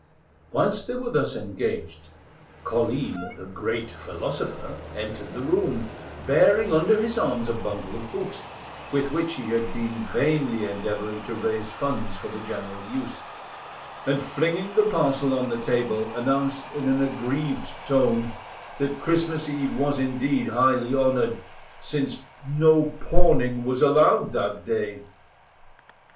Whilst they were thus engaged, Colline, the "great" philosopher, entered the room, bearing under his arms a bundle of books, with which he had been vainly endeavouring to raise funds for the general use; and, flinging the parcel on the table, announced in an aggrieved tone that Christmas Eve was indeed highly honoured, since no pawning was allowed that day!